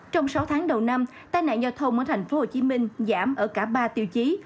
trong sáu tháng đầu năm tai nạn giao thông ở thành phố hồ chí minh giảm ở cả ba tiêu chí